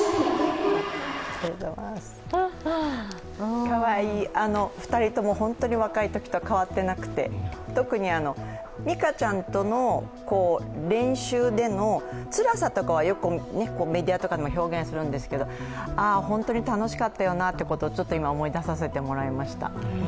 かわいい、２人とも本当に若いときと変わっていなくて特に実可ちゃんとの練習でもつらさとかは、よくメディアとかでも表現するんですけど、本当に楽しかったんだということをちょっと今、思い出させてもらいました。